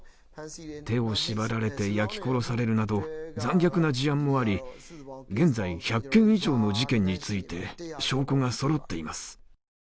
手を縛られて焼き殺されるなど残虐な事案もあり、現在１００件以上の事件について証拠がそろっています。